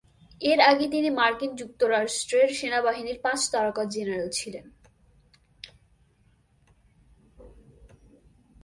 এর আগে তিনি মার্কিন যুক্তরাষ্ট্রের সেনাবাহিনীর পাঁচ তারকা জেনারেল ছিলেন।